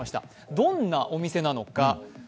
どんなお店なのか。